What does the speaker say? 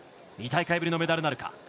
２大会ぶりのメダルになるか。